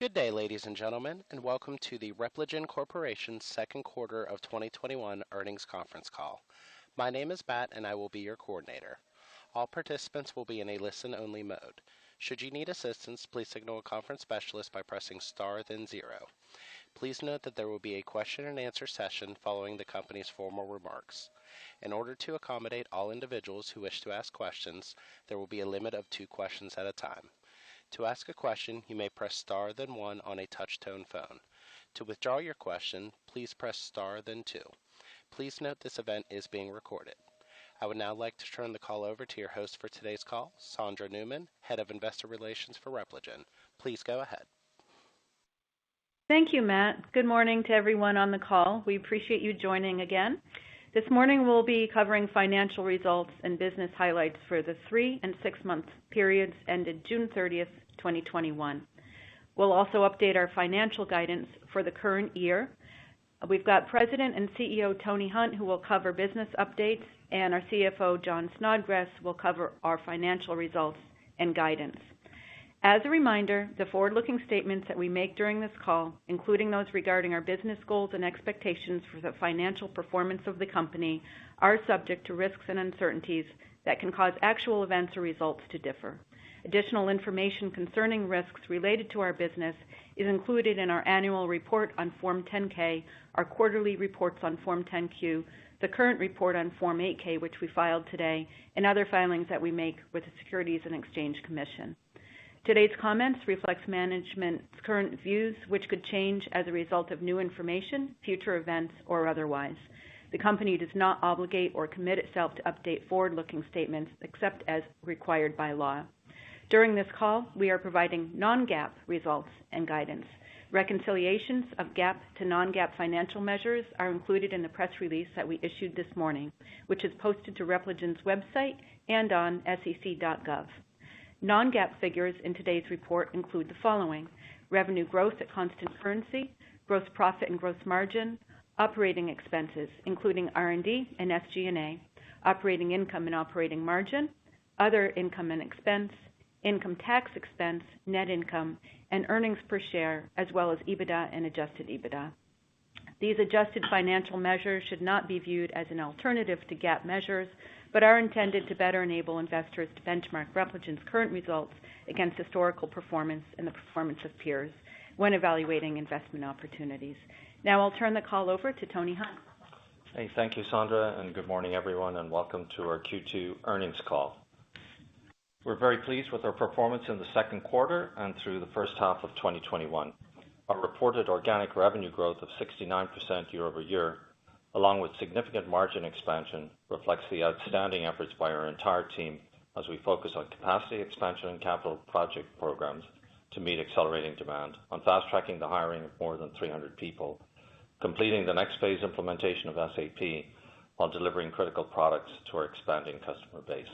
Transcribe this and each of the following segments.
Good day, ladies and gentlemen, and welcome to the Repligen Corporation second quarter of 2021 earnings conference call. My name is Matt, and I will be your coordinator. All participants will be in a listen-only mode. Should you need assistance, please signal a conference specialist by pressing star then zero. Please note that there will be a question and answer session following the company's formal remarks. In order to accommodate all individuals who wish to ask questions, there will be a limit of two questions at a time. To ask a question, you may press star then one on a touch-tone phone. To withdraw your question, please press star then two. Please note this event is being recorded. I would now like to turn the call over to your host for today's call, Sondra Newman, Head of Investor Relations for Repligen. Please go ahead. Thank you, Matt. Good morning to everyone on the call. We appreciate you joining again. This morning we'll be covering financial results and business highlights for the three and six-month periods ended June 30th, 2021. We'll also update our financial guidance for the current year. We've got President and CEO Tony Hunt, who will cover business updates, and our CFO, Jon Snodgres, will cover our financial results and guidance. As a reminder, the forward-looking statements that we make during this call, including those regarding our business goals and expectations for the financial performance of the company, are subject to risks and uncertainties that can cause actual events or results to differ. Additional information concerning risks related to our business is included in our annual report on Form 10-K, our quarterly reports on Form 10-Q, the current report on Form 8-K, which we filed today, and other filings that we make with the Securities and Exchange Commission. Today's comments reflect management's current views, which could change as a result of new information, future events, or otherwise. The company does not obligate or commit itself to update forward-looking statements except as required by law. During this call, we are providing non-GAAP results and guidance. Reconciliations of GAAP to non-GAAP financial measures are included in the press release that we issued this morning, which is posted to Repligen's website and on sec.gov. Non-GAAP figures in today's report include the following: revenue growth at constant currency, gross profit and gross margin, operating expenses, including R&D and SG&A, operating income and operating margin, other income and expense, income tax expense, net income, and earnings per share, as well as EBITDA and adjusted EBITDA. These adjusted financial measures should not be viewed as an alternative to GAAP measures, but are intended to better enable investors to benchmark Repligen's current results against historical performance and the performance of peers when evaluating investment opportunities. Now I'll turn the call over to Tony Hunt. Hey. Thank you, Sondra, and good morning, everyone, and welcome to our Q2 earnings call. We're very pleased with our performance in the second quarter and through the first half of 2021. Our reported organic revenue growth of 69% year-over-year, along with significant margin expansion, reflects the outstanding efforts by our entire team as we focus on capacity expansion and capital project programs to meet accelerating demand on fast-tracking the hiring of more than 300 people, completing the next phase implementation of SAP while delivering critical products to our expanding customer base.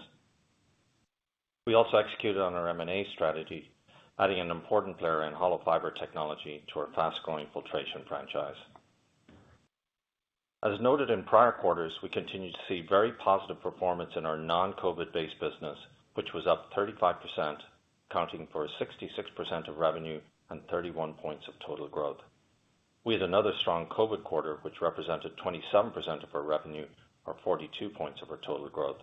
We also executed on our M&A strategy, adding an important player in Hollow Fiber technology to our fast-growing filtration franchise. As noted in prior quarters, we continue to see very positive performance in our non-COVID base business, which was up 35%, accounting for 66% of revenue and 31 points of total growth. We had another strong COVID quarter, which represented 27% of our revenue, or 42 points of our total growth.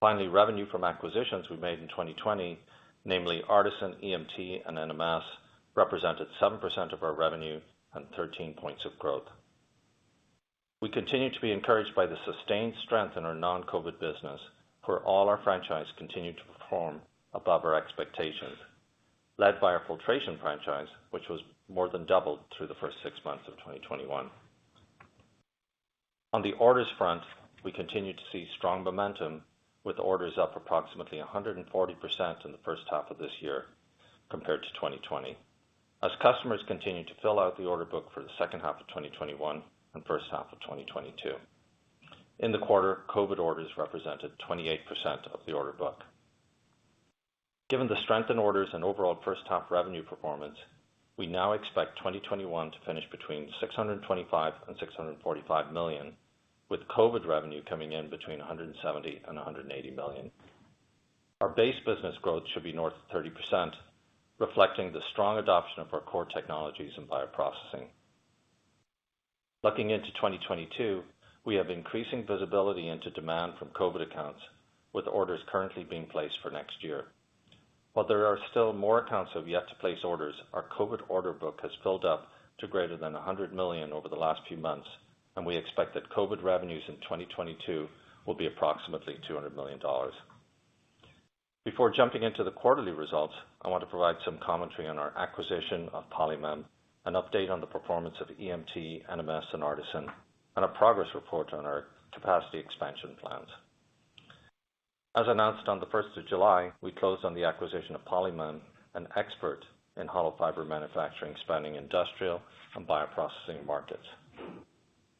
Finally, revenue from acquisitions we made in 2020, namely ARTeSYN, EMT, and NMS, represented 7% of our revenue and 13 points of growth. We continue to be encouraged by the sustained strength in our non-COVID business, where all our franchise continued to perform above our expectations, led by our filtration franchise, which was more than doubled through the first six months of 2021. On the orders front, we continue to see strong momentum, with orders up approximately 140% in the first half of this year compared to 2020, as customers continue to fill out the order book for the second half of 2021 and first half of 2022. In the quarter, COVID orders represented 28% of the order book. Given the strength in orders and overall first half revenue performance, we now expect 2021 to finish between $625 million and $645 million, with COVID revenue coming in between $170 million and $180 million. Our base business growth should be north of 30%, reflecting the strong adoption of our core technologies in bioprocessing. Looking into 2022, we have increasing visibility into demand from COVID accounts, with orders currently being placed for next year. While there are still more accounts who have yet to place orders, our COVID order book has filled up to greater than $100 million over the last few months, and we expect that COVID revenues in 2022 will be approximately $200 million. Before jumping into the quarterly results, I want to provide some commentary on our acquisition of Polymem, an update on the performance of EMT, NMS, and ARTeSYN, and a progress report on our capacity expansion plans. As announced on the 1st of July, we closed on the acquisition of Polymem, an expert in Hollow Fiber manufacturing spanning industrial and bioprocessing markets.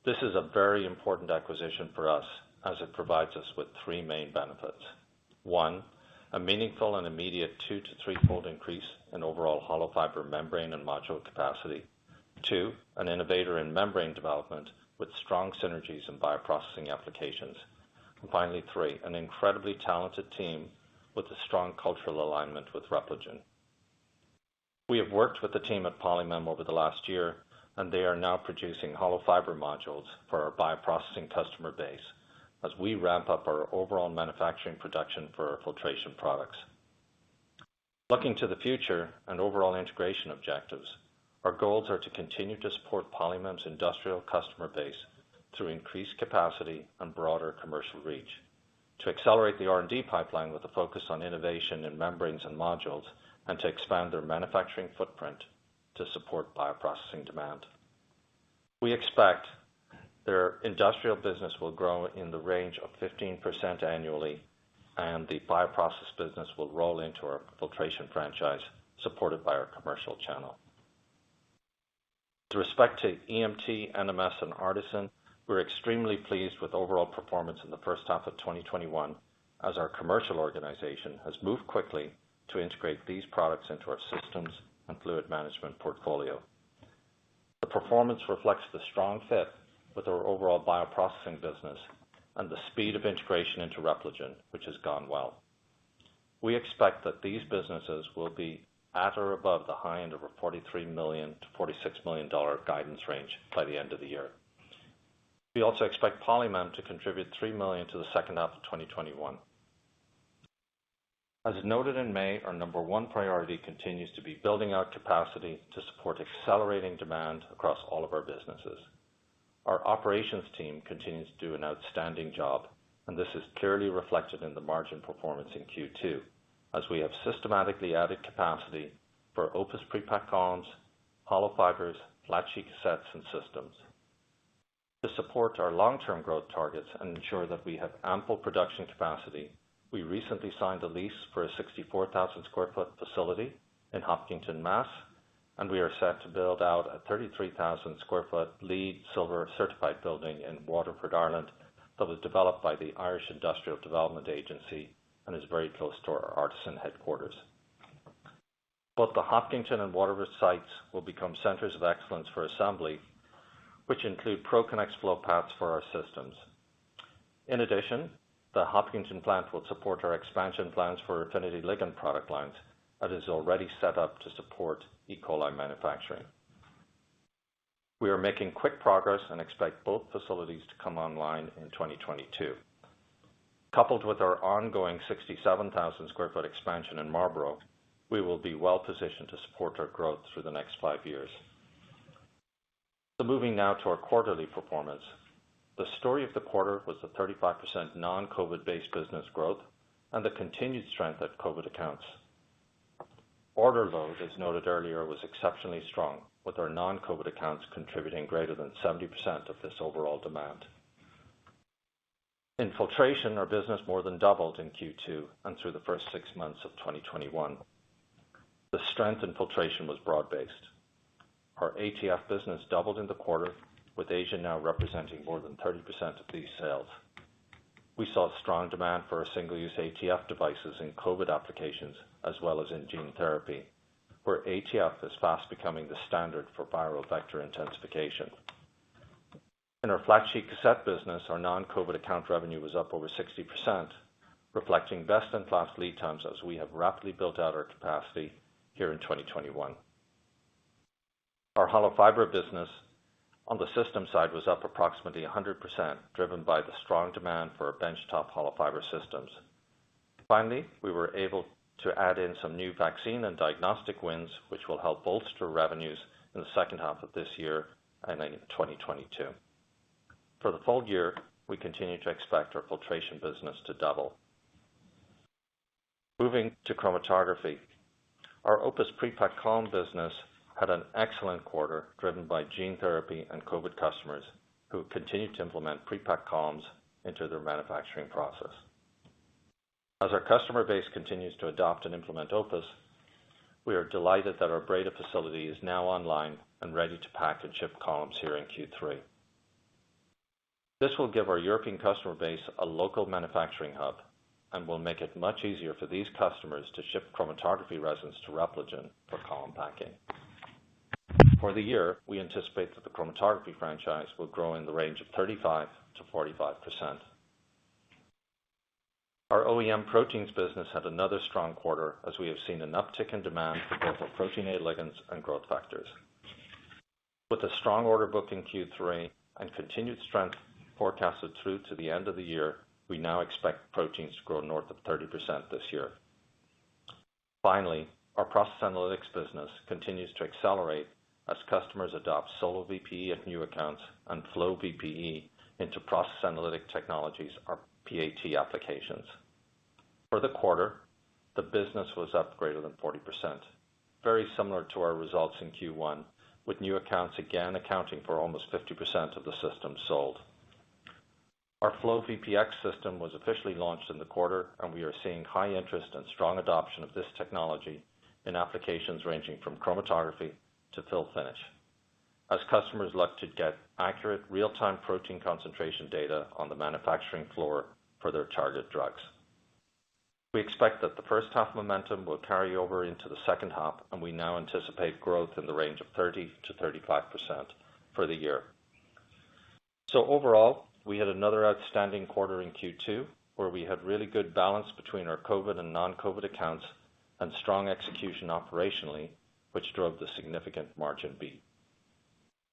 This is a very important acquisition for us as it provides us with three main benefits. One, a meaningful and immediate two to three-fold increase in overall Hollow Fiber membrane and module capacity. Two, an innovator in membrane development with strong synergies in bioprocessing applications. Finally, three, an incredibly talented team with a strong cultural alignment with Repligen. We have worked with the team at Polymem over the last year, and they are now producing Hollow Fiber modules for our bioprocessing customer base as we ramp up our overall manufacturing production for our filtration products. Looking to the future and overall integration objectives, our goals are to continue to support Polymem's industrial customer base through increased capacity and broader commercial reach, to accelerate the R&D pipeline with a focus on innovation in membranes and modules, and to expand their manufacturing footprint to support bioprocessing demand. We expect their industrial business will grow in the range of 15% annually, and the bioprocess business will roll into our filtration franchise, supported by our commercial channel. With respect to EMT, NMS, and ARTeSYN, we're extremely pleased with overall performance in the first half of 2021, as our commercial organization has moved quickly to integrate these products into our systems and fluid management portfolio. The performance reflects the strong fit with our overall bioprocessing business and the speed of integration into Repligen, which has gone well. We expect that these businesses will be at or above the high end of a $43 million-$46 million guidance range by the end of the year. We also expect Polymem to contribute $3 million to the second half of 2021. As noted in May, our number one priority continues to be building out capacity to support accelerating demand across all of our businesses. Our operations team continues to do an outstanding job, and this is clearly reflected in the margin performance in Q2, as we have systematically added capacity for OPUS Pre-packed columns, Hollow Fibers, Flat Sheet Cassettes, and Systems. To support our long-term growth targets and ensure that we have ample production capacity, we recently signed a lease for a 64,000 sq ft facility in Hopkinton, Mass., and we are set to build out a 33,000 sq ft LEED Silver certified building in Waterford, Ireland, that was developed by the Irish Industrial Development Agency and is very close to our ARTeSYN headquarters. Both the Hopkinton and Waterford sites will become centers of excellence for assembly, which include ProConnex flow paths for our systems. In addition, the Hopkinton plant will support our expansion plans for affinity ligand product lines that is already set up to support E. coli manufacturing. We are making quick progress and expect both facilities to come online in 2022. Coupled with our ongoing 67,000 sq ft expansion in Marlborough, we will be well positioned to support our growth through the next five years. Moving now to our quarterly performance. The story of the quarter was the 35% non-COVID based business growth and the continued strength at COVID accounts. Order load, as noted earlier, was exceptionally strong, with our non-COVID accounts contributing greater than 70% of this overall demand. In filtration, our business more than doubled in Q2 and through the first six months of 2021. The strength in filtration was broad based. Our ATF business doubled in the quarter, with Asia now representing more than 30% of these sales. We saw strong demand for our single-use ATF devices in COVID applications as well as in gene therapy, where ATF is fast becoming the standard for viral vector intensification. In our Flat Sheet Cassette business, our non-COVID account revenue was up over 60%, reflecting best in class lead times as we have rapidly built out our capacity here in 2021. Our Hollow Fiber business on the systems side was up approximately 100%, driven by the strong demand for our benchtop Hollow Fiber systems. Finally, we were able to add in some new vaccine and diagnostic wins, which will help bolster revenues in the second half of this year and into 2022. For the full year, we continue to expect our filtration business to double. Moving to chromatography. Our OPUS Pre-packed column business had an excellent quarter, driven by gene therapy and COVID customers who have continued to implement Pre-packed columns into their manufacturing process. As our customer base continues to adopt and implement OPUS, we are delighted that our Breda facility is now online and ready to pack and ship columns here in Q3. This will give our European customer base a local manufacturing hub and will make it much easier for these customers to ship chromatography resins to Repligen for column packing. For the year, we anticipate that the chromatography franchise will grow in the range of 35%-45%. Our OEM proteins business had another strong quarter, as we have seen an uptick in demand for both our protein A ligands and growth factors. With a strong order book in Q3 and continued strength forecasted through to the end of the year, we now expect proteins to grow north of 30% this year. Finally, our process analytics business continues to accelerate as customers adopt SoloVPE at new accounts and FlowVPE into process analytic technologies or PAT applications. For the quarter, the business was up greater than 40%, very similar to our results in Q1, with new accounts again accounting for almost 50% of the systems sold. Our FlowVPX system was officially launched in the quarter, and we are seeing high interest and strong adoption of this technology in applications ranging from chromatography to fill-finish as customers look to get accurate real-time protein concentration data on the manufacturing floor for their target drugs. We expect that the first half momentum will carry over into the second half, and we now anticipate growth in the range of 30%-35% for the year. Overall, we had another outstanding quarter in Q2, where we had really good balance between our COVID and non-COVID accounts, and strong execution operationally, which drove the significant margin beat.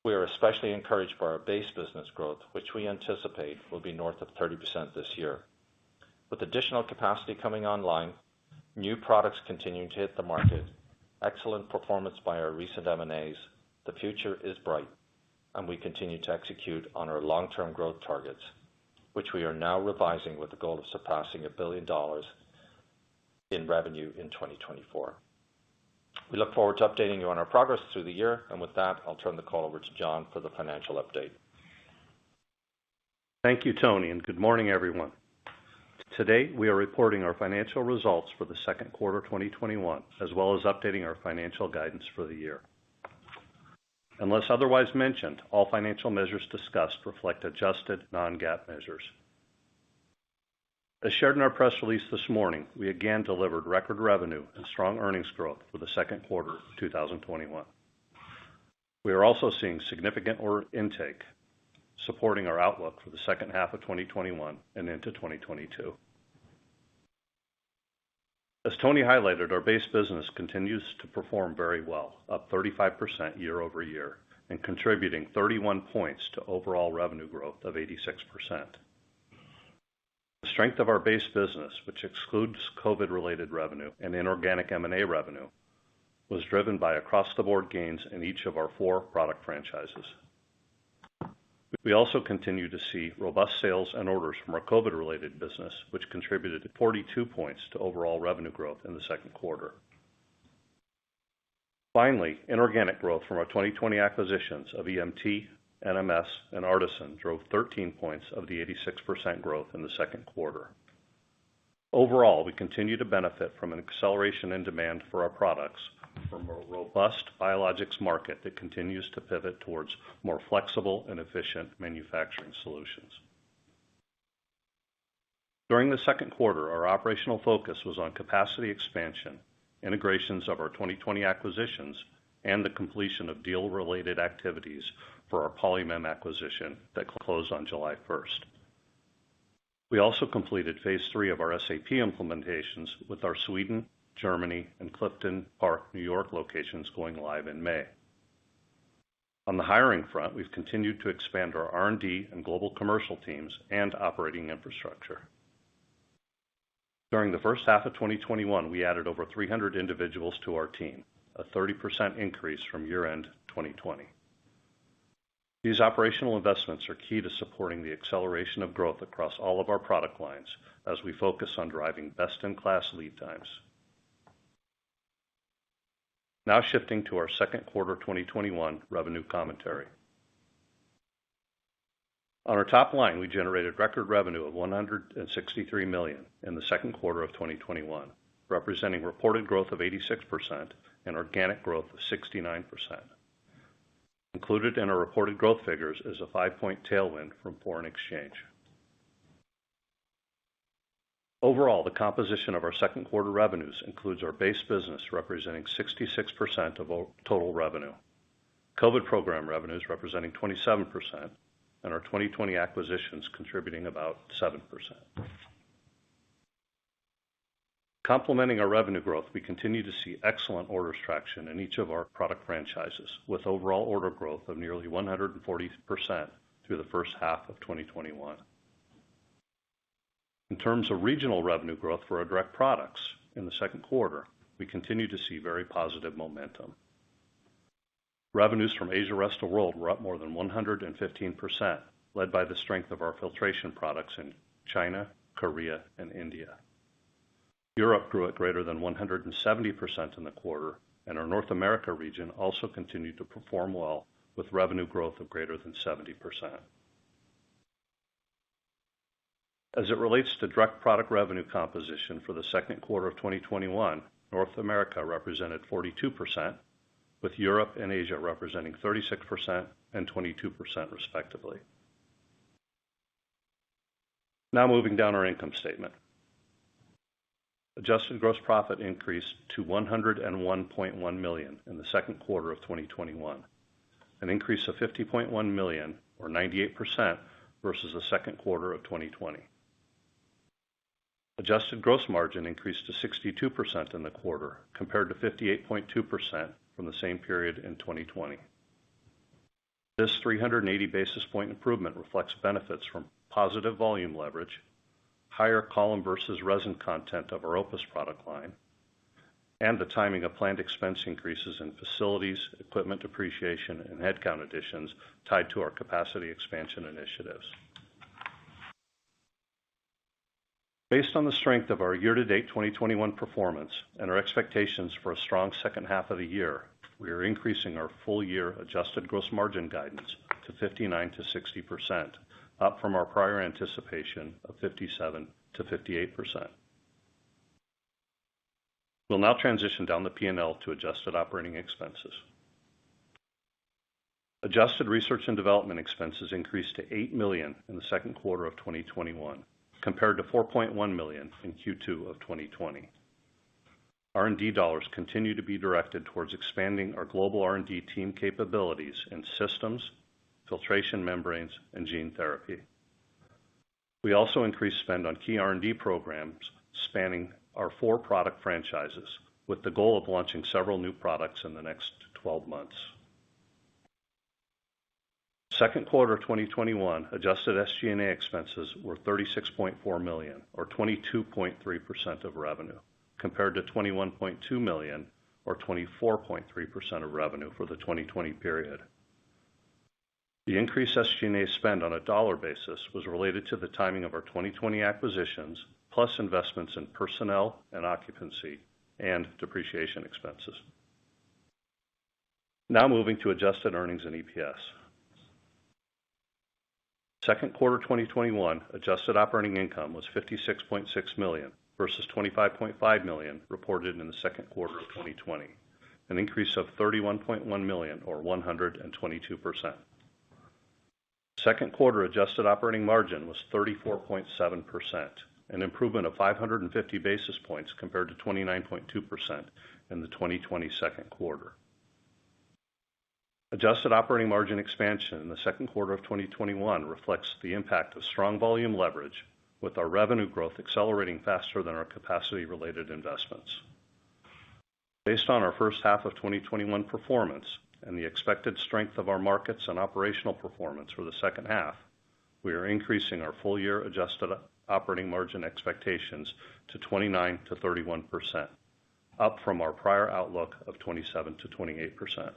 We are especially encouraged by our base business growth, which we anticipate will be north of 30% this year. With additional capacity coming online, new products continuing to hit the market, excellent performance by our recent M&As, the future is bright, and we continue to execute on our long-term growth targets, which we are now revising with the goal of surpassing $1 billion in revenue in 2024. We look forward to updating you on our progress through the year, with that, I'll turn the call over to Jon for the financial update. Thank you, Tony. Good morning, everyone. Today, we are reporting our financial results for the second quarter 2021, as well as updating our financial guidance for the year. Unless otherwise mentioned, all financial measures discussed reflect adjusted non-GAAP measures. As shared in our press release this morning, we again delivered record revenue and strong earnings growth for the second quarter of 2021. We are also seeing significant order intake supporting our outlook for the second half of 2021 and into 2022. As Tony highlighted, our base business continues to perform very well, up 35% year-over-year and contributing 31 points to overall revenue growth of 86%. The strength of our base business, which excludes COVID-related revenue and inorganic M&A revenue, was driven by across-the-board gains in each of our four product franchises. We also continue to see robust sales and orders from our COVID-related business, which contributed 42 points to overall revenue growth in the second quarter. Inorganic growth from our 2020 acquisitions of EMT, NMS, and ARTeSYN drove 13 points of the 86% growth in the second quarter. Overall, we continue to benefit from an acceleration in demand for our products from a robust biologics market that continues to pivot towards more flexible and efficient manufacturing solutions. During the second quarter, our operational focus was on capacity expansion, integrations of our 2020 acquisitions, and the completion of deal-related activities for our Polymem acquisition that closed on July 1st. We also completed phase III of our SAP implementations with our Sweden, Germany, and Clifton Park, New York, locations going live in May. On the hiring front, we've continued to expand our R&D and global commercial teams and operating infrastructure. During the first half of 2021, we added over 300 individuals to our team, a 30% increase from year-end 2020. These operational investments are key to supporting the acceleration of growth across all of our product lines as we focus on driving best-in-class lead times. Shifting to our second quarter 2021 revenue commentary. On our top line, we generated record revenue of $163 million in the second quarter of 2021, representing reported growth of 86% and organic growth of 69%. Included in our reported growth figures is a five-point tailwind from foreign exchange. The composition of our second quarter revenues includes our base business representing 66% of total revenue, COVID program revenues representing 27%, and our 2020 acquisitions contributing about 7%. Complementing our revenue growth, we continue to see excellent orders traction in each of our product franchises, with overall order growth of nearly 140% through the first half of 2021. In terms of regional revenue growth for our direct products in the second quarter, we continue to see very positive momentum. Revenues from Asia/Rest of World were up more than 115%, led by the strength of our filtration products in China, Korea, and India. Europe grew at greater than 170% in the quarter, and our North America region also continued to perform well with revenue growth of greater than 70%. As it relates to direct product revenue composition for the second quarter of 2021, North America represented 42%, with Europe and Asia representing 36% and 22% respectively. Now moving down our income statement. Adjusted gross profit increased to $101.1 million in the second quarter of 2021, an increase of $50.1 million or 98% versus the second quarter of 2020. Adjusted gross margin increased to 62% in the quarter, compared to 58.2% from the same period in 2020. This 380 basis point improvement reflects benefits from positive volume leverage, higher column versus resin content of our OPUS product line, and the timing of planned expense increases in facilities, equipment depreciation, and headcount additions tied to our capacity expansion initiatives. Based on the strength of our year-to-date 2021 performance and our expectations for a strong second half of the year, we are increasing our full year adjusted gross margin guidance to 59%-60%, up from our prior anticipation of 57%-58%. We'll now transition down the P&L to adjusted operating expenses. Adjusted research and development expenses increased to $8 million in the second quarter of 2021, compared to $4.1 million in Q2 of 2020. R&D dollars continue to be directed towards expanding our global R&D team capabilities in systems, filtration membranes, and gene therapy. We also increased spend on key R&D programs spanning our four product franchises, with the goal of launching several new products in the next 12 months. Second quarter 2021 adjusted SG&A expenses were $36.4 million, or 22.3% of revenue, compared to $21.2 million, or 24.3% of revenue for the 2020 period. The increased SG&A spend on a dollar basis was related to the timing of our 2020 acquisitions, plus investments in personnel and occupancy and depreciation expenses. Moving to adjusted earnings and EPS. Second quarter 2021 adjusted operating income was $56.6 million versus $25.5 million reported in the second quarter of 2020, an increase of $31.1 million, or 122%. Second quarter adjusted operating margin was 34.7%, an improvement of 550 basis points compared to 29.2% in the 2020 second quarter. Adjusted operating margin expansion in the second quarter of 2021 reflects the impact of strong volume leverage with our revenue growth accelerating faster than our capacity-related investments. Based on our first half of 2021 performance and the expected strength of our markets and operational performance for the second half, we are increasing our full-year adjusted operating margin expectations to 29%-31%, up from our prior outlook of 27%-28%.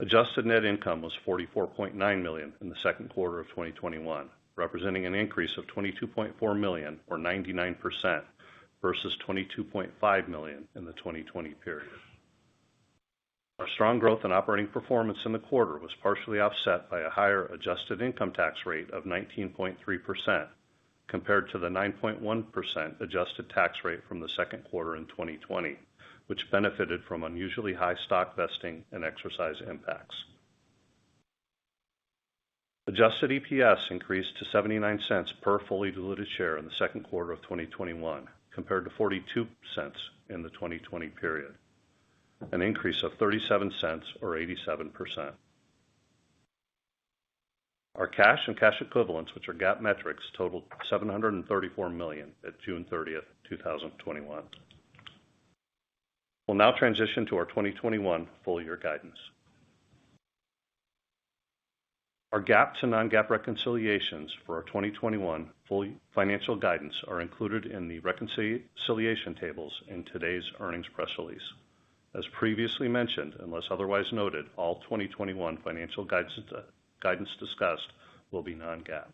Adjusted net income was $44.9 million in the second quarter of 2021, representing an increase of $22.4 million, or 99%, versus $22.5 million in the 2020 period. Our strong growth and operating performance in the quarter was partially offset by a higher adjusted income tax rate of 19.3%, compared to the 9.1% adjusted tax rate from the second quarter in 2020, which benefited from unusually high stock vesting and exercise impacts. Adjusted EPS increased to $0.79 per fully diluted share in the second quarter of 2021, compared to $0.42 in the 2020 period, an increase of $0.37 or 87%. Our cash and cash equivalents, which are GAAP metrics, totaled $734 million at June 30th, 2021. We'll now transition to our 2021 full-year guidance. Our GAAP to non-GAAP reconciliations for our 2021 full financial guidance are included in the reconciliation tables in today's earnings press release. As previously mentioned, unless otherwise noted, all 2021 financial guidance discussed will be non-GAAP.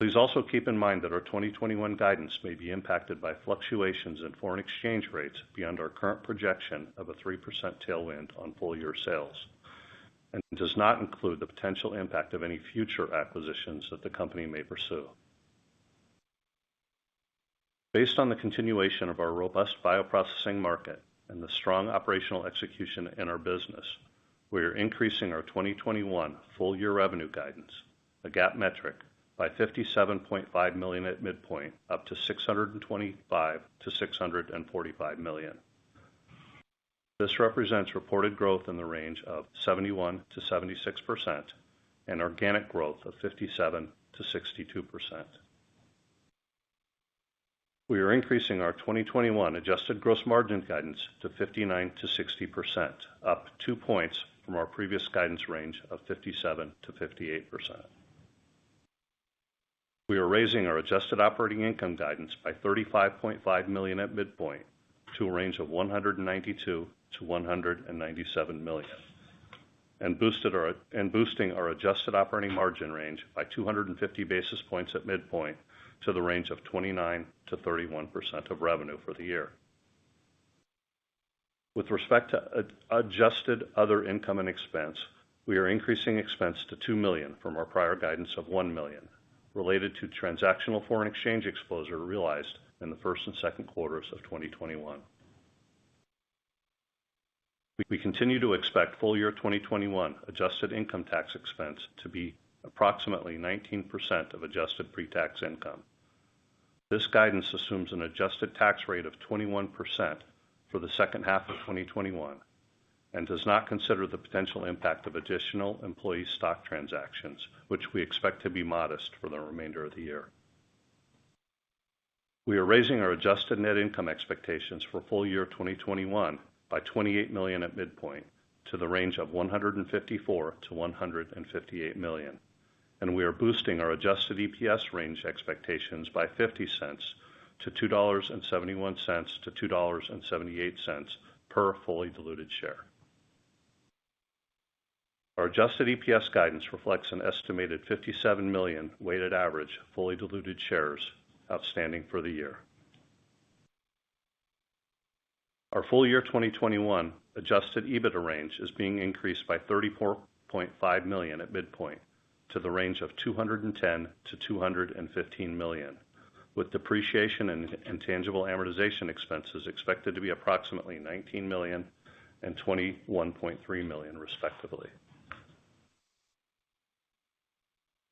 Please also keep in mind that our 2021 guidance may be impacted by fluctuations in foreign exchange rates beyond our current projection of a 3% tailwind on full-year sales, and does not include the potential impact of any future acquisitions that the company may pursue. Based on the continuation of our robust bioprocessing market and the strong operational execution in our business, we are increasing our 2021 full-year revenue guidance, a GAAP metric, by $57.5 million at midpoint, up to $625 million-$645 million. This represents reported growth in the range of 71%-76% and organic growth of 57%-62%. We are increasing our 2021 adjusted gross margin guidance to 59%-60%, up two points from our previous guidance range of 57%-58%. We are raising our adjusted operating income guidance by $35.5 million at midpoint to a range of $192 million-$197 million, and boosting our adjusted operating margin range by 250 basis points at midpoint to the range of 29%-31% of revenue for the year. With respect to adjusted other income and expense, we are increasing expense to $2 million from our prior guidance of $1 million related to transactional foreign exchange exposure realized in the first and second quarters of 2021. We continue to expect full-year 2021 adjusted income tax expense to be approximately 19% of adjusted pre-tax income. This guidance assumes an adjusted tax rate of 21% for the second half of 2021 and does not consider the potential impact of additional employee stock transactions, which we expect to be modest for the remainder of the year. We are raising our adjusted net income expectations for full-year 2021 by $28 million at midpoint to the range of $154 million-$158 million, and we are boosting our adjusted EPS range expectations by $0.50 to $2.71-$2.78 per fully diluted share. Our adjusted EPS guidance reflects an estimated 57 million weighted average fully diluted shares outstanding for the year. Our full-year 2021 adjusted EBITDA range is being increased by $34.5 million at midpoint to the range of $210 million-$215 million. With depreciation and intangible amortization expenses expected to be approximately $19 million and $21.3 million respectively.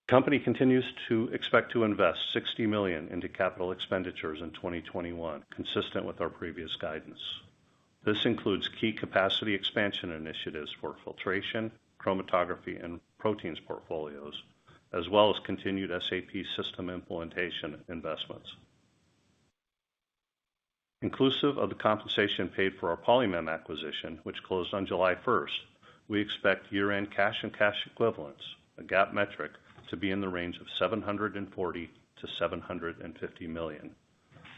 The company continues to expect to invest $60 million into capital expenditures in 2021, consistent with our previous guidance. This includes key capacity expansion initiatives for filtration, chromatography, and proteins portfolios, as well as continued SAP system implementation investments. Inclusive of the compensation paid for our Polymem acquisition, which closed on July 1st, we expect year-end cash and cash equivalents, a GAAP metric, to be in the range of $740 million-$750 million,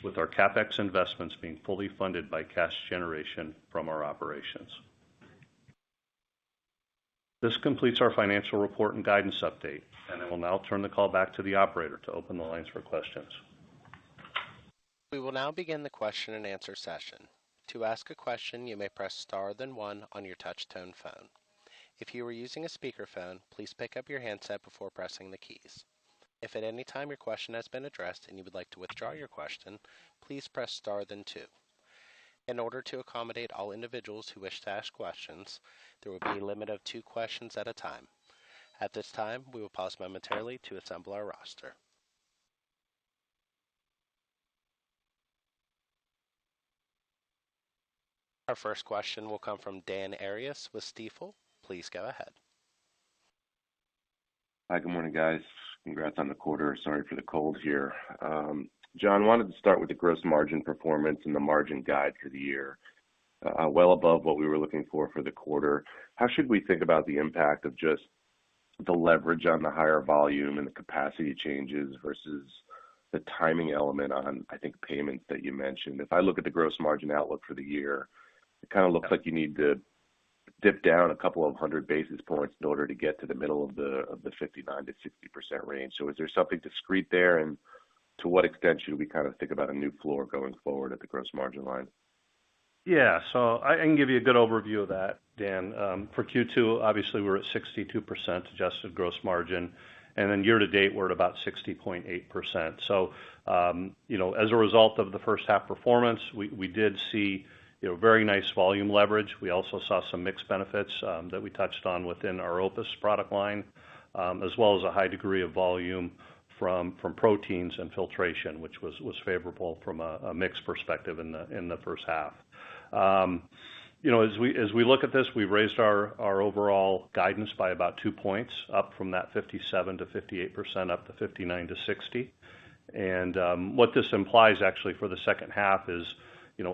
with our CapEx investments being fully funded by cash generation from our operations. This completes our financial report and guidance update, and I will now turn the call back to the operator to open the lines for questions. We will now begin the question and answer session. To ask a question, you may press star then one on your touchtone phone. If you are using a speakerphone, please pick up your handset before pressing the keys. If at any time your question has been addressed and you would like to withdraw your question, please press star then two. In order to accommodate all individuals who wish to ask questions, there will be a limit of two questions at a time. At this time, we will pause momentarily to assemble our roster. Our first question will come from Dan Arias with Stifel. Please go ahead. Hi, good morning, guys. Congrats on the quarter. Sorry for the cold here. Jon, wanted to start with the gross margin performance and the margin guide for the year. Well above what we were looking for the quarter. How should we think about the impact of just the leverage on the higher volume and the capacity changes versus the timing element on, I think, payments that you mentioned? If I look at the gross margin outlook for the year, it kind of looks like you need to dip down a couple of hundred basis points in order to get to the middle of the 59%-60% range. Is there something discrete there? To what extent should we think about a new floor going forward at the gross margin line? Yeah. I can give you a good overview of that, Dan. For Q2, obviously, we're at 62% adjusted gross margin, and then year-to-date, we're at about 60.8%. As a result of the first half performance, we did see very nice volume leverage. We also saw some mix benefits that we touched on within our OPUS product line, as well as a high degree of volume from proteins and filtration, which was favorable from a mix perspective in the first half. As we look at this, we raised our overall guidance by about two points, up from that 57%-58%, up to 59%-60%. What this implies actually for the second half is,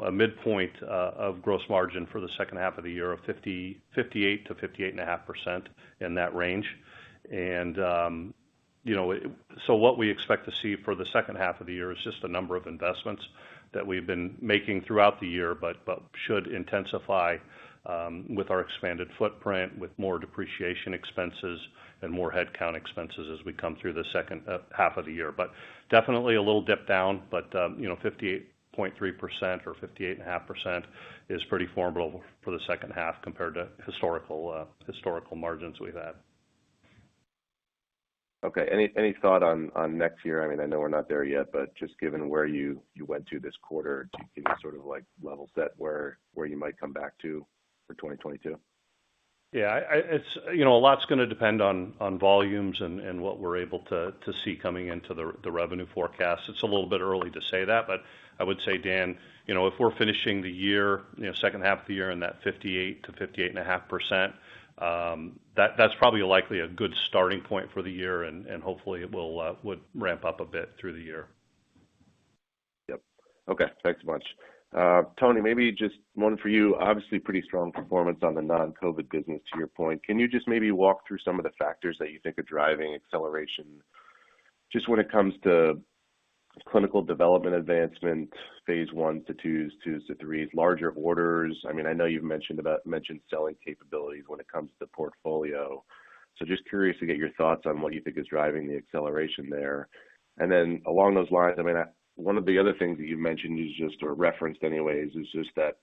a midpoint of gross margin for the second half of the year of 58%-58.5% in that range. What we expect to see for the second half of the year is just a number of investments that we've been making throughout the year, should intensify with our expanded footprint, with more depreciation expenses and more headcount expenses as we come through the second half of the year. Definitely a little dip down, 58.3% or 58.5% is pretty formidable for the second half compared to historical margins we've had. Okay. Any thought on next year? I know we're not there yet, but just given where you went to this quarter, can you sort of level set where you might come back to for 2022? Yeah. A lot's going to depend on volumes and what we're able to see coming into the revenue forecast. It's a little bit early to say that, but I would say, Dan, if we're finishing the year, second half of the year in that 58%-58.5%, that's probably likely a good starting point for the year and hopefully it would ramp up a bit through the year. Yep. Okay. Thanks much. Tony, maybe just one for you. Pretty strong performance on the non-COVID business, to your point. Can you just maybe walk through some of the factors that you think are driving acceleration, just when it comes to clinical development advancement, phase I to II to III, larger orders? I know you've mentioned selling capabilities when it comes to the portfolio. Just curious to get your thoughts on what you think is driving the acceleration there. Along those lines, one of the other things that you've mentioned, you just referenced anyways, is just that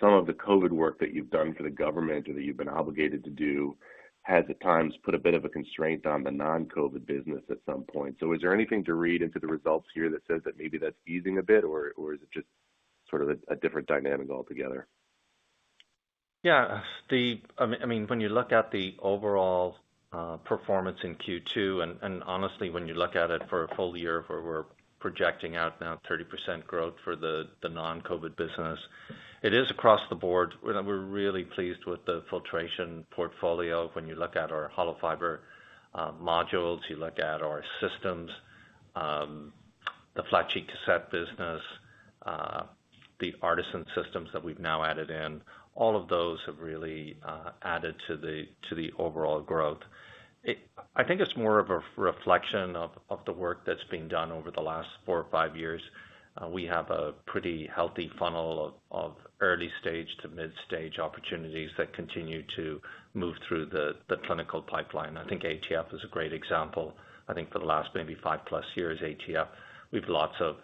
some of the COVID work that you've done for the government or that you've been obligated to do has at times put a bit of a constraint on the non-COVID business at some point. Is there anything to read into the results here that says that maybe that's easing a bit, or is it just sort of a different dynamic altogether? Yeah. When you look at the overall performance in Q2, honestly, when you look at it for a full year, where we're projecting out now 30% growth for the non-COVID business, it is across the board. We're really pleased with the filtration portfolio. When you look at our Hollow Fiber modules, you look at our systems, the Flat Sheet Cassette business, the ARTeSYN systems that we've now added in, all of those have really added to the overall growth. I think it's more of a reflection of the work that's been done over the last four or five years. We have a pretty healthy funnel of early stage to mid-stage opportunities that continue to move through the clinical pipeline. I think ATF is a great example. I think for the last maybe 5+ years, ATF, we've lots of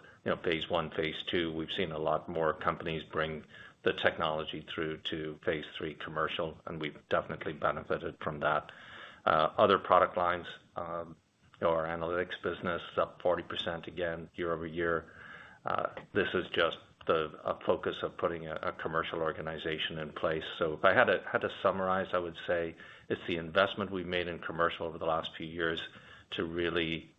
phase I, phase II. We've seen a lot more companies bring the technology through to phase III commercial, and we've definitely benefited from that. Other product lines, our analytics business is up 40% again year-over-year. This is just a focus of putting a commercial organization in place. If I had to summarize, I would say it's the investment we've made in commercial over the last few years to really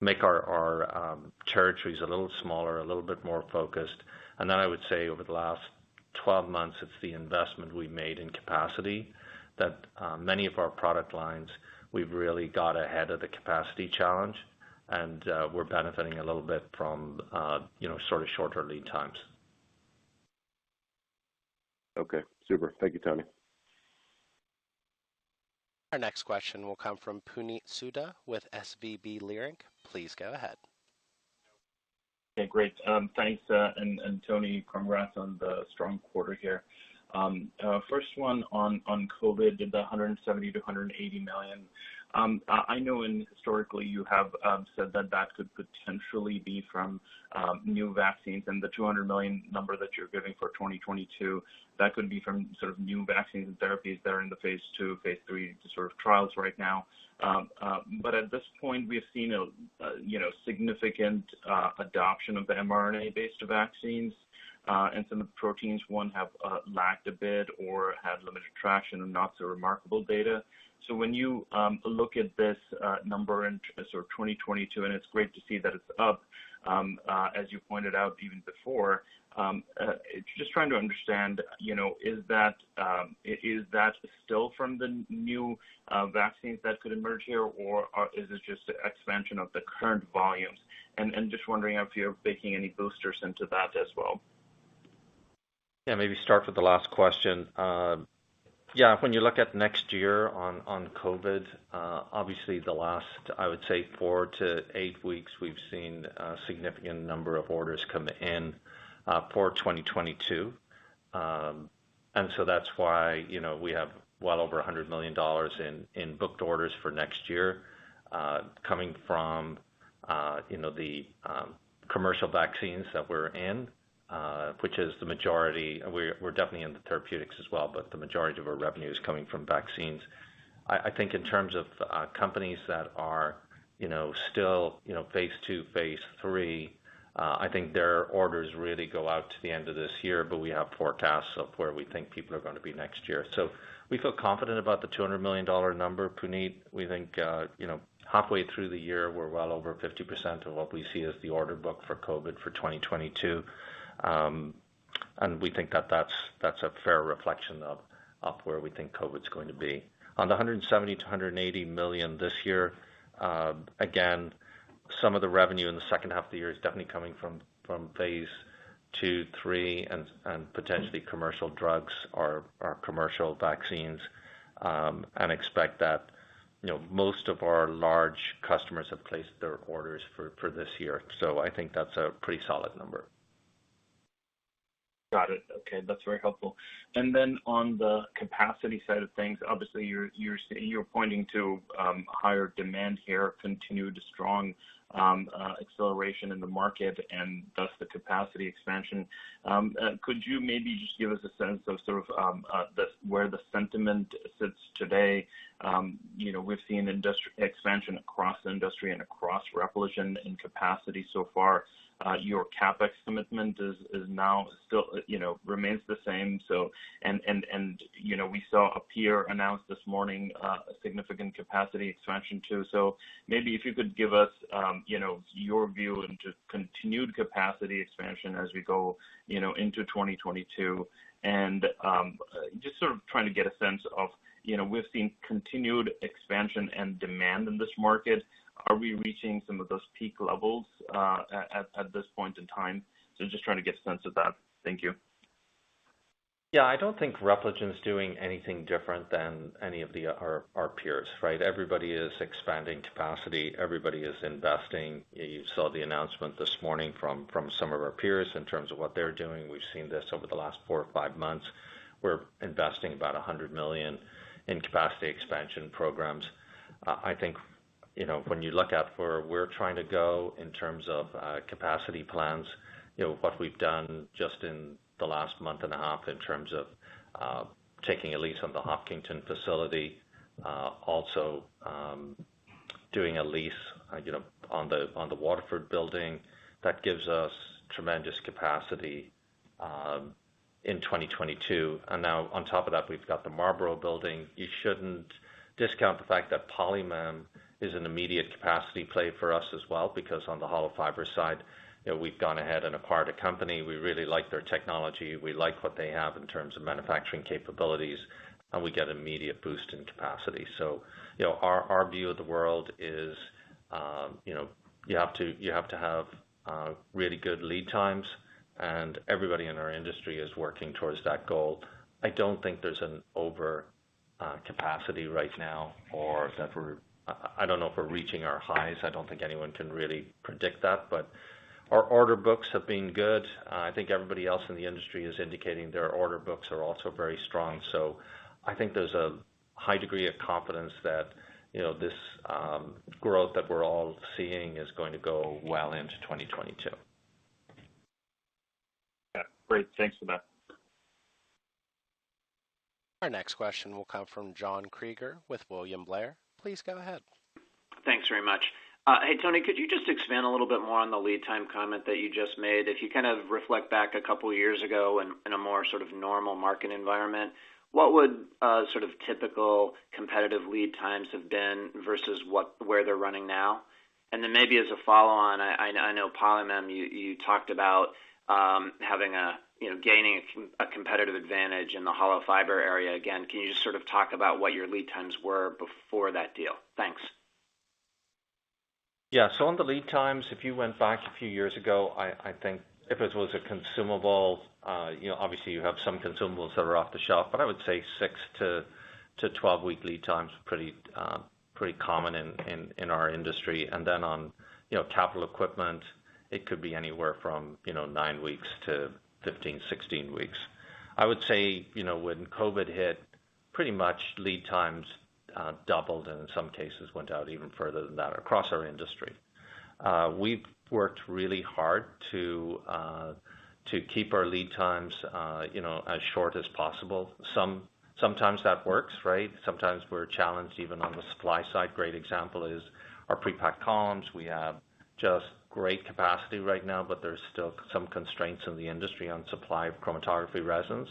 make our territories a little smaller, a little bit more focused. Then I would say over the last 12 months, it's the investment we made in capacity that many of our product lines, we've really got ahead of the capacity challenge, and we're benefiting a little bit from shorter lead times. Okay, super. Thank you, Tony. Our next question will come from Puneet Souda with SVB Leerink. Please go ahead. Okay, great. Thanks. Tony, congrats on the strong quarter here. First one on COVID, the $170 million-$180 million. I know historically you have said that that could potentially be from new vaccines and the $200 million number that you're giving for 2022. That could be from sort of new vaccines and therapies that are in the phase II, phase III sort of trials right now. At this point, we have seen a significant adoption of the mRNA-based vaccines, and some of the proteins, one, have lacked a bit or had limited traction and not so remarkable data. When you look at this number in sort of 2022, and it's great to see that it's up, as you pointed out even before. Just trying to understand, is that still from the new vaccines that could emerge here, or is it just an expansion of the current volumes? Just wondering if you're baking any boosters into that as well? Maybe start with the last question. When you look at next year on COVID, obviously the last, I would say four to eight weeks, we've seen a significant number of orders come in for 2022. So that's why we have well over $100 million in booked orders for next year, coming from the commercial vaccines that we're in, which is the majority. We're definitely in the therapeutics as well, but the majority of our revenue is coming from vaccines. I think in terms of companies that are still phase II, phase III, I think their orders really go out to the end of this year, but we have forecasts of where we think people are going to be next year. So we feel confident about the $200 million number, Puneet. We think halfway through the year, we're well over 50% of what we see as the order book for COVID for 2022. We think that that's a fair reflection of where we think COVID's going to be. On the $170 million-$180 million this year, again, some of the revenue in the second half of the year is definitely coming from phase II, III, and potentially commercial drugs or commercial vaccines. We expect that most of our large customers have placed their orders for this year. I think that's a pretty solid number. Got it. Okay, that's very helpful. On the capacity side of things, obviously you're pointing to higher demand here, continued strong acceleration in the market and thus the capacity expansion. Could you maybe just give us a sense of sort of where the sentiment sits today? We've seen expansion across industry and across Repligen in capacity so far. Your CapEx commitment remains the same. We saw a peer announce this morning a significant capacity expansion, too. Maybe if you could give us your view into continued capacity expansion as we go into 2022, and just sort of trying to get a sense of, we've seen continued expansion and demand in this market. Are we reaching some of those peak levels at this point in time? Just trying to get a sense of that. Thank you. Yeah, I don't think Repligen's doing anything different than any of our peers, right? Everybody is expanding capacity. Everybody is investing. You saw the announcement this morning from some of our peers in terms of what they're doing. We've seen this over the last four or five months. We're investing about $100 million in capacity expansion programs. I think when you look at where we're trying to go in terms of capacity plans, what we've done just in the last month and a half in terms of taking a lease on the Hopkinton facility. Also doing a lease on the Waterford building. That gives us tremendous capacity in 2022. Now on top of that, we've got the Marlborough building. You shouldn't discount the fact that Polymem is an immediate capacity play for us as well, because on the Hollow Fiber side, we've gone ahead and acquired a company. We really like their technology. We like what they have in terms of manufacturing capabilities, and we get immediate boost in capacity. Our view of the world is you have to have really good lead times and everybody in our industry is working towards that goal. I don't think there's an over capacity right now or I don't know if we're reaching our highs. I don't think anyone can really predict that, but our order books have been good. I think everybody else in the industry is indicating their order books are also very strong. I think there's a high degree of confidence that this growth that we're all seeing is going to go well into 2022. Yeah. Great. Thanks for that. Our next question will come from John Kreger with William Blair. Please go ahead. Thanks very much. Hey, Tony, could you just expand a little bit more on the lead time comment that you just made? If you kind of reflect back a couple of years ago in a more sort of normal market environment, what would a sort of typical competitive lead times have been versus where they're running now? Then maybe as a follow-on, I know Polymem, you talked about gaining a competitive advantage in the Hollow Fiber area. Again, can you just talk about what your lead times were before that deal? Thanks. Yeah. On the lead times, if you went back a few years ago, I think if it was a consumable, obviously you have some consumables that are off the shelf, but I would say 6-12-week lead time's pretty common in our industry. Then on capital equipment, it could be anywhere from 9-15, 16 weeks. I would say, when COVID hit, pretty much lead times doubled, and in some cases went out even further than that across our industry. We've worked really hard to keep our lead times as short as possible. Sometimes that works, right? Sometimes we're challenged even on the supply side. Great example is our Pre-packed columns. We have just great capacity right now, there's still some constraints in the industry on supply of chromatography resins.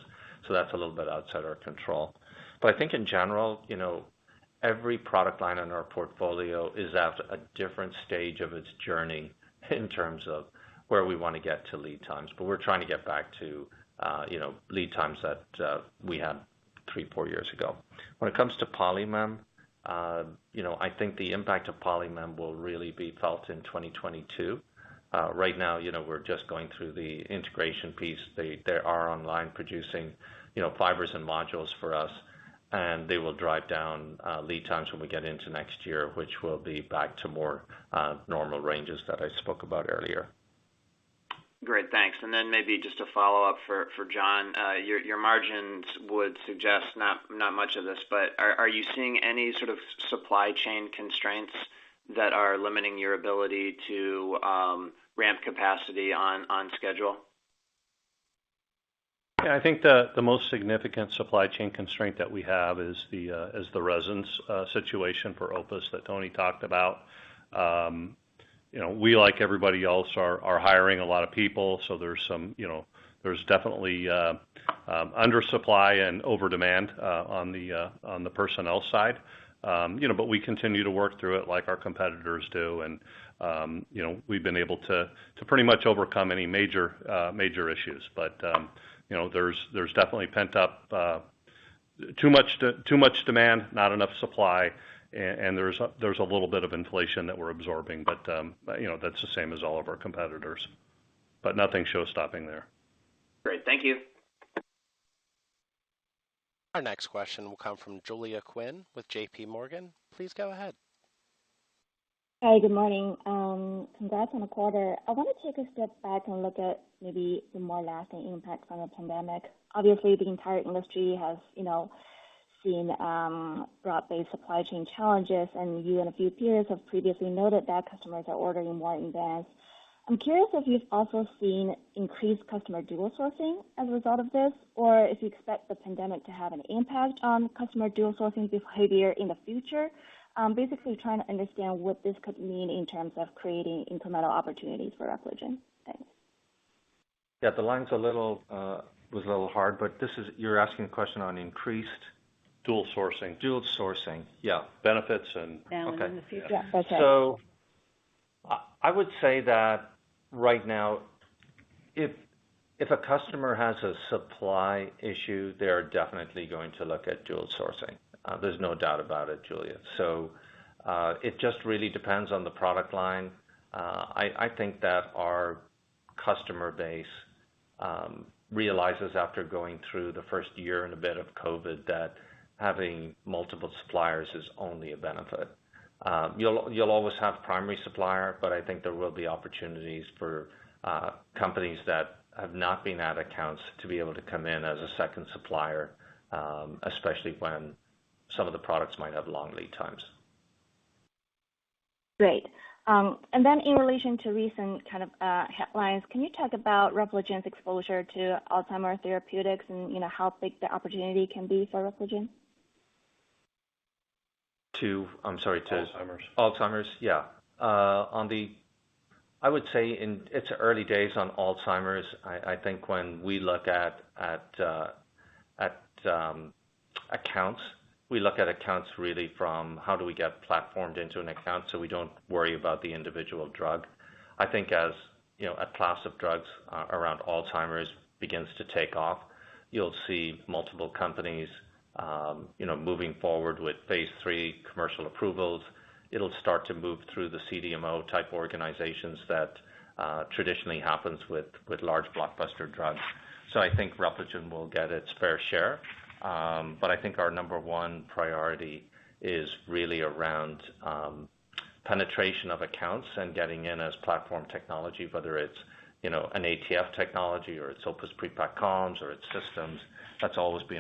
That's a little bit outside our control. I think in general, every product line in our portfolio is at a different stage of its journey in terms of where we want to get to lead times. We're trying to get back to lead times that we had three, four years ago. When it comes to Polymem, I think the impact of Polymem will really be felt in 2022. Right now, we're just going through the integration piece. They are online producing fibers and modules for us, and they will drive down lead times when we get into next year, which will be back to more normal ranges that I spoke about earlier. Great. Thanks. Maybe just a follow-up for Jon. Your margins would suggest not much of this, but are you seeing any sort of supply chain constraints that are limiting your ability to ramp capacity on schedule? Yeah. I think the most significant supply chain constraint that we have is the resins situation for OPUS that Tony talked about. We, like everybody else, are hiring a lot of people, so there's definitely undersupply and over-demand on the personnel side. We continue to work through it like our competitors do, and we've been able to pretty much overcome any major issues. There's definitely pent up, too much demand, not enough supply, and there's a little bit of inflation that we're absorbing. That's the same as all of our competitors. Nothing shows stopping there. Great. Thank you. Our next question will come from Julia Qin with JPMorgan. Please go ahead. Hi. Good morning. Congrats on the quarter. I want to take a step back and look at maybe the more lasting impact from the pandemic. Obviously, the entire industry has seen broad-based supply chain challenges, and you and a few peers have previously noted that customers are ordering more in advance. I'm curious if you've also seen increased customer dual sourcing as a result of this, or if you expect the pandemic to have an impact on customer dual sourcing behavior in the future. Basically trying to understand what this could mean in terms of creating incremental opportunities for Repligen. Thanks. Yeah, the line was a little hard. You're asking a question on increased- Dual sourcing dual sourcing. Yeah. Benefits and- Down in the future. Okay. I would say that right now, if a customer has a supply issue, they're definitely going to look at dual sourcing. There's no doubt about it, Julia. It just really depends on the product line. I think that our customer base realizes after going through the first year and a bit of COVID, that having multiple suppliers is only a benefit. You'll always have primary supplier, but I think there will be opportunities for companies that have not been at accounts to be able to come in as a second supplier, especially when some of the products might have long lead times. Great. In relation to recent kind of headlines, can you talk about Repligen's exposure to Alzheimer's therapeutics and how big the opportunity can be for Repligen? To, I'm sorry, to- Alzheimer's. Alzheimer's, yeah. I would say it's early days on Alzheimer's. I think when we look at accounts, we look at accounts really from how do we get platformed into an account, so we don't worry about the individual drug. I think as a class of drugs around Alzheimer's begins to take off, you'll see multiple companies moving forward with phase III commercial approvals. It'll start to move through the CDMO type organizations that traditionally happens with large blockbuster drugs. I think Repligen will get its fair share. I think our number one priority is really around penetration of accounts and getting in as platform technology, whether it's an ATF technology or it's OPUS Pre-packed columns or it's systems. We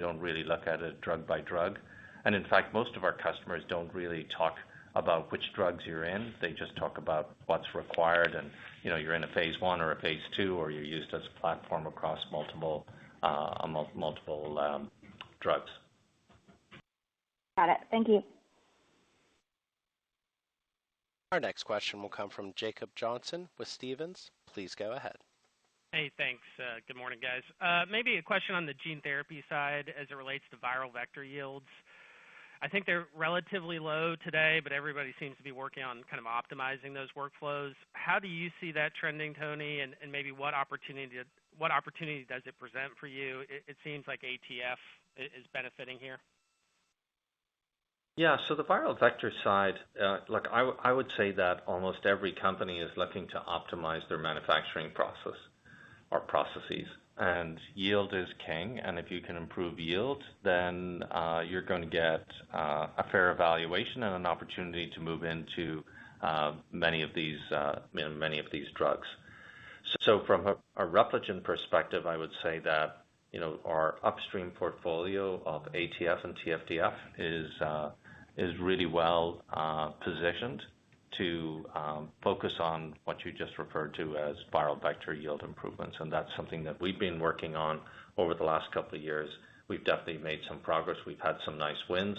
don't really look at it drug by drug. In fact, most of our customers don't really talk about which drugs you're in. They just talk about what's required and you're in a phase I or a phase II, or you're used as a platform across multiple drugs. Got it. Thank you. Our next question will come from Jacob Johnson with Stephens. Please go ahead. Hey, thanks. Good morning, guys. Maybe a question on the gene therapy side as it relates to viral vector yields. I think they're relatively low today, but everybody seems to be working on kind of optimizing those workflows. How do you see that trending, Tony? Maybe what opportunity does it present for you? It seems like ATF is benefiting here. Yeah. The viral vector side, I would say that almost every company is looking to optimize their manufacturing process or processes, and yield is king, and if you can improve yield, then you're going to get a fair evaluation and an opportunity to move into many of these drugs. From a Repligen perspective, I would say that our upstream portfolio of ATF and TFDF is really well positioned to focus on what you just referred to as viral vector yield improvements, and that's something that we've been working on over the last couple of years. We've definitely made some progress. We've had some nice wins.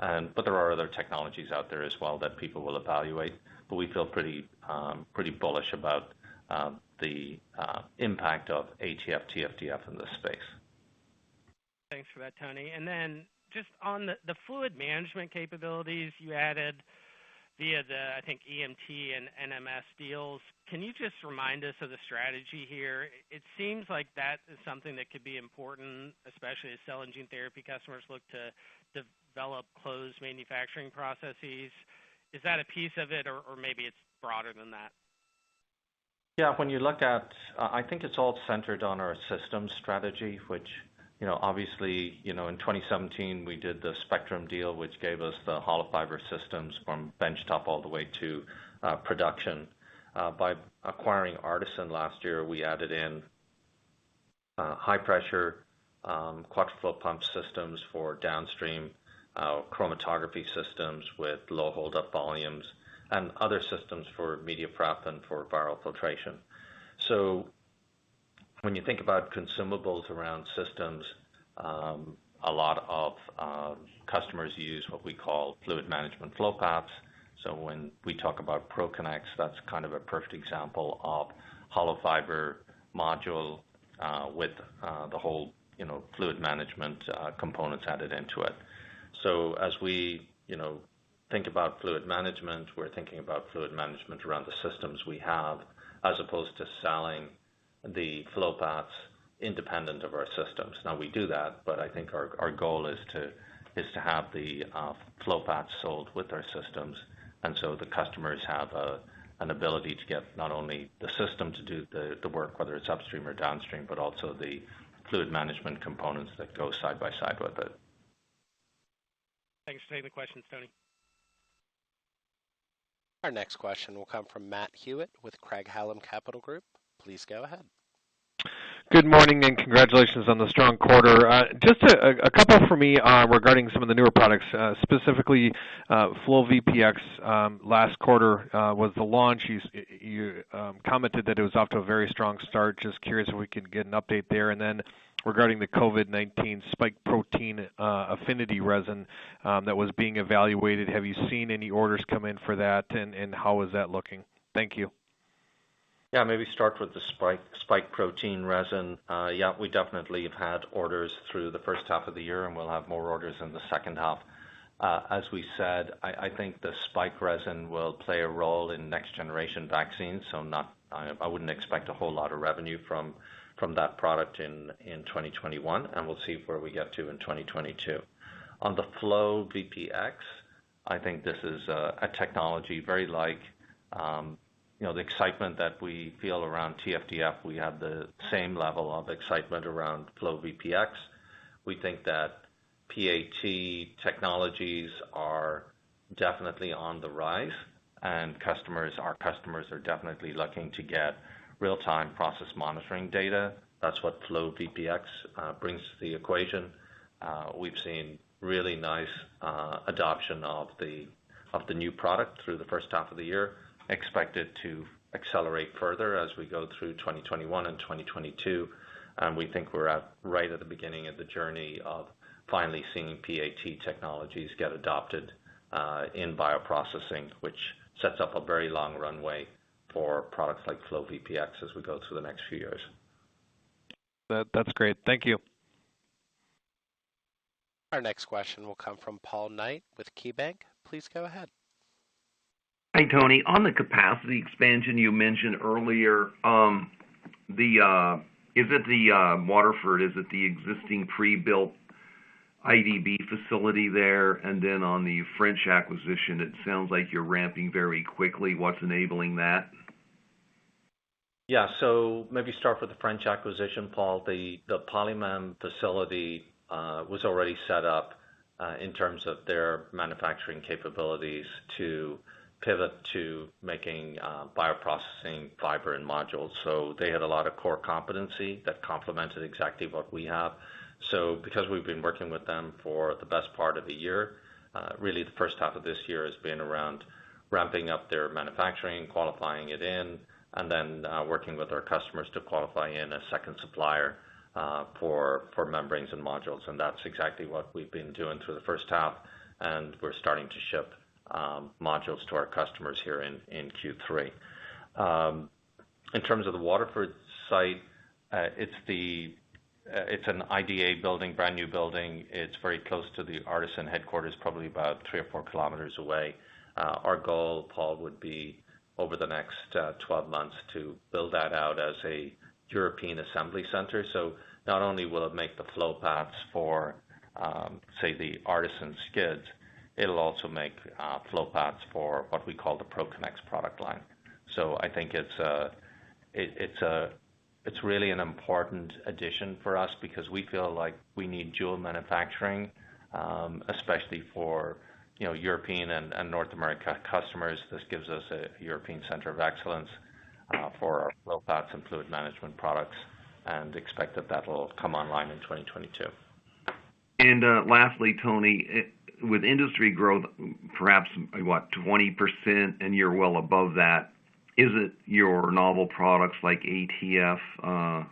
There are other technologies out there as well that people will evaluate. We feel pretty bullish about the impact of ATF, TFDF in this space. Thanks for that, Tony. Just on the fluid management capabilities you added via the, I think, EMT and NMS deals, can you just remind us of the strategy here? It seems like that is something that could be important, especially as cell and gene therapy customers look to develop closed manufacturing processes. Is that a piece of it or maybe it's broader than that? I think it's all centered on our systems strategy, which obviously in 2017 we did the Spectrum deal, which gave us the Hollow Fiber systems from benchtop all the way to production. By acquiring ARTeSYN last year, we added in high pressure, quad pump systems for downstream, chromatography systems with low hold-up volumes, and other systems for media prep and for viral filtration. When you think about consumables around systems, a lot of customers use what we call fluid management flow paths. When we talk about ProConnex, that's kind of a perfect example of Hollow Fiber module with the whole fluid management components added into it. As we think about fluid management, we're thinking about fluid management around the systems we have, as opposed to selling the flow paths independent of our systems. We do that, but I think our goal is to have the flow paths sold with our systems. The customers have an ability to get not only the system to do the work, whether it's upstream or downstream, but also the fluid management components that go side by side with it. Thanks for taking the question, Tony. Our next question will come from Matt Hewitt with Craig-Hallum Capital Group. Please go ahead. Good morning, and congratulations on the strong quarter. Just a couple for me regarding some of the newer products. Specifically, FlowVPX, last quarter was the launch. You commented that it was off to a very strong start. Just curious if we could get an update there. Regarding the COVID-19 spike protein affinity resin that was being evaluated, have you seen any orders come in for that, and how is that looking? Thank you. Yeah, maybe start with the spike protein resin. Yeah, we definitely have had orders through the first half of the year, and we'll have more orders in the second half. As we said, I think the spike resin will play a role in next generation vaccines, so I wouldn't expect a whole lot of revenue from that product in 2021, and we'll see where we get to in 2022. On the FlowVPX, I think this is a technology very like the excitement that we feel around TFDF. We have the same level of excitement around FlowVPX. We think that PAT technologies are definitely on the rise, and our customers are definitely looking to get real-time process monitoring data. That's what FlowVPX brings to the equation. We've seen really nice adoption of the new product through the first half of the year. Expect it to accelerate further as we go through 2021 and 2022. We think we're right at the beginning of the journey of finally seeing PAT technologies get adopted in bioprocessing, which sets up a very long runway for products like FlowVPX as we go through the next few years. That's great. Thank you. Our next question will come from Paul Knight with KeyBanc. Please go ahead. Hi, Tony. On the capacity expansion you mentioned earlier, is it the Waterford, the existing pre-built IDA facility there? On the French acquisition, it sounds like you're ramping very quickly. What's enabling that? Maybe start with the French acquisition, Paul. The Polymem facility was already set up, in terms of their manufacturing capabilities, to pivot to making bioprocessing fiber and modules. They had a lot of core competency that complemented exactly what we have. Because we've been working with them for the best part of the year, really the first half of this year has been around ramping up their manufacturing, qualifying it in, and then working with our customers to qualify in a second supplier for membranes and modules, and that's exactly what we've been doing through the first half, and we're starting to ship modules to our customers here in Q3. In terms of the Waterford site, it's an IDA building, brand new building. It's very close to the ARTeSYN headquarters, probably about three or four kilometers away. Our goal, Paul, would be over the next 12 months to build that out as a European assembly center. Not only will it make the flow paths for, say, the ARTeSYN skids, it'll also make flow paths for what we call the ProConnex product line. I think it's really an important addition for us because we feel like we need dual manufacturing, especially for European and North America customers. This gives us a European center of excellence for our flow paths and fluid management products, and expect that will come online in 2022. Lastly, Tony, with industry growth perhaps 20% and you're well above that, is it your novel products like ATF?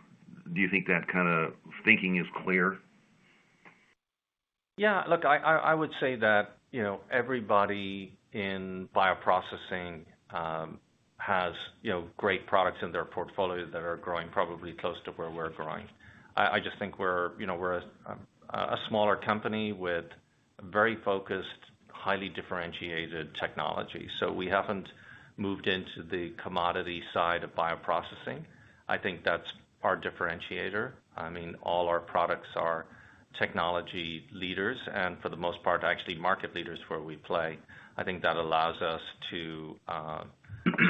Do you think that kind of thinking is clear? Yeah, look, I would say that everybody in bioprocessing has great products in their portfolio that are growing probably close to where we're growing. I just think we're a smaller company with very focused, highly differentiated technology. We haven't moved into the commodity side of bioprocessing. I think that's our differentiator. All our products are technology leaders and for the most part, actually market leaders where we play. I think that allows us to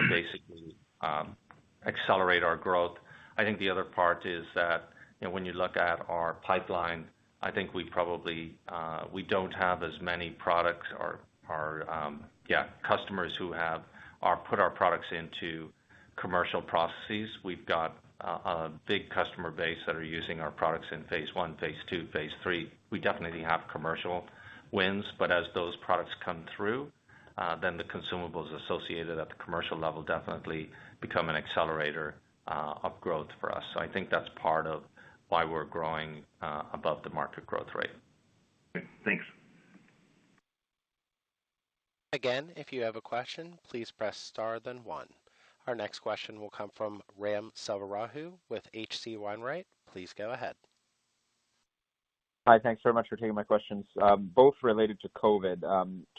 basically accelerate our growth. I think the other part is that when you look at our pipeline, I think we don't have as many products or our customers who have put our products into commercial processes. We've got a big customer base that are using our products in phase I, phase II, phase III. We definitely have commercial wins, but as those products come through, then the consumables associated at the commercial level definitely become an accelerator of growth for us. I think that's part of why we're growing above the market growth rate. Thanks. If you have a question, please press star then one. Our next question will come from Ram Selvaraju with H.C. Wainwright. Please go ahead. Hi. Thanks very much for taking my questions, both related to COVID.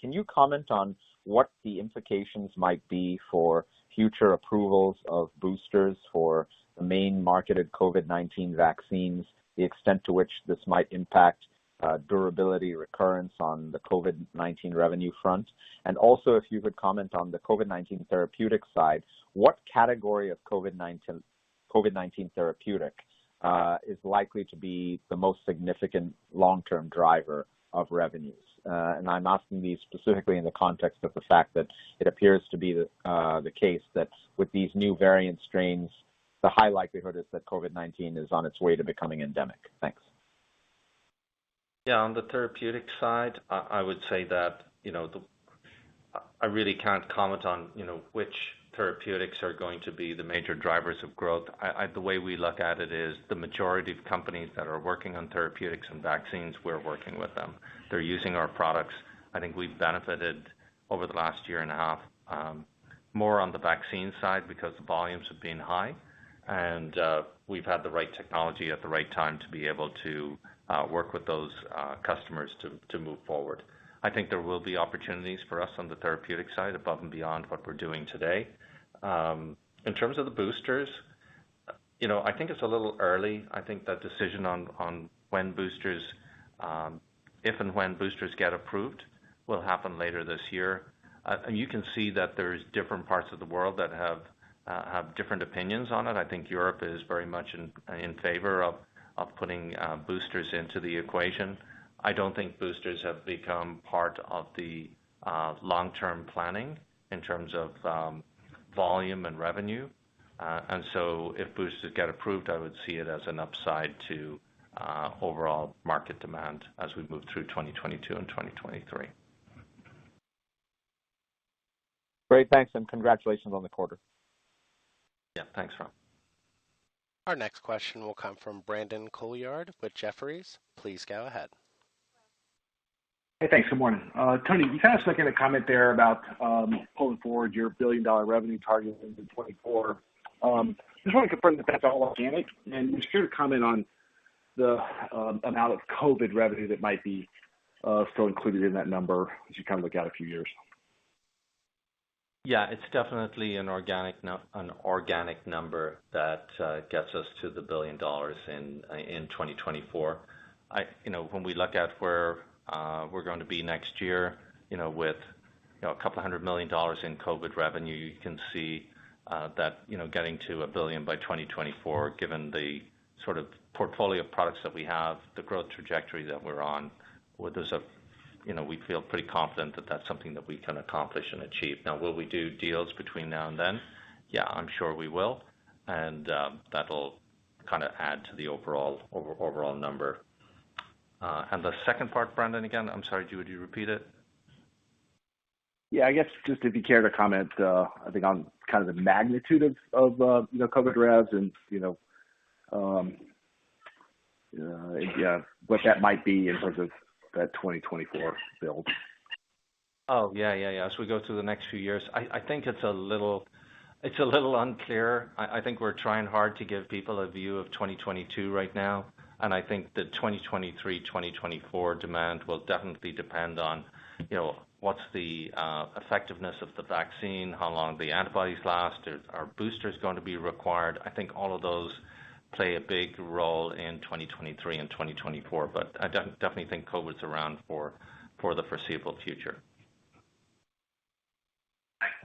Can you comment on what the implications might be for future approvals of boosters for the main marketed COVID-19 vaccines, the extent to which this might impact durability recurrence on the COVID-19 revenue front? Also, if you could comment on the COVID-19 therapeutic side, what category of COVID-19 therapeutic is likely to be the most significant long-term driver of revenues? I'm asking these specifically in the context of the fact that it appears to be the case that with these new variant strains, the high likelihood is that COVID-19 is on its way to becoming endemic. Thanks. On the therapeutic side, I would say that I really can't comment on which therapeutics are going to be the major drivers of growth. The way we look at it is the majority of companies that are working on therapeutics and vaccines, we're working with them. They're using our products. I think we've benefited over the last year and a half more on the vaccine side because the volumes have been high, and we've had the right technology at the right time to be able to work with those customers to move forward. There will be opportunities for us on the therapeutic side above and beyond what we're doing today. In terms of the boosters, it's a little early. The decision on if and when boosters get approved will happen later this year. You can see that there's different parts of the world that have different opinions on it. I think Europe is very much in favor of putting boosters into the equation. I don't think boosters have become part of the long-term planning in terms of volume and revenue. If boosters get approved, I would see it as an upside to overall market demand as we move through 2022 and 2023. Great. Thanks, and congratulations on the quarter. Yeah. Thanks, Ram. Our next question will come from Brandon Couillard with Jefferies. Please go ahead. Hey, thanks. Good morning. Tony, you kind of snuck in a comment there about pulling forward your billion-dollar revenue target into 2024. Just want to confirm that's all organic, and if you could comment on the amount of COVID revenue that might be still included in that number as you look out a few years. Yeah, it's definitely an organic number that gets us to the $1 billion in 2024. When we look at where we're going to be next year with $200 million in COVID revenue, you can see that getting to $1 billion by 2024, given the sort of portfolio of products that we have, the growth trajectory that we're on, we feel pretty confident that that's something that we can accomplish and achieve. Now, will we do deals between now and then? Yeah, I'm sure we will. That'll add to the overall number. The second part, Brandon, again, I'm sorry. Would you repeat it? Yeah, I guess just if you care to comment, I think on kind of the magnitude of COVID revs and what that might be in terms of that 2024 build. Oh, yeah. As we go through the next few years. I think it's a little unclear. I think we're trying hard to give people a view of 2022 right now, and I think the 2023, 2024 demand will definitely depend on what's the effectiveness of the vaccine, how long the antibodies last. Are boosters going to be required? I think all of those play a big role in 2023 and 2024. I definitely think COVID's around for the foreseeable future. Thanks.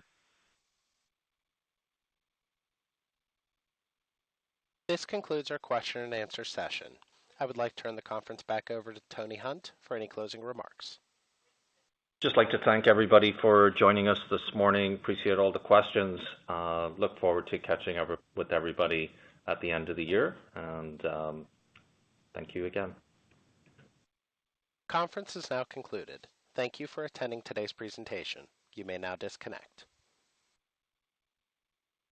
This concludes our question and answer session. I would like to turn the conference back over to Tony Hunt for any closing remarks. Just like to thank everybody for joining us this morning. Appreciate all the questions. Look forward to catching up with everybody at the end of the year, and thank you again. Conference is now concluded. Thank you for attending today's presentation. You may now disconnect.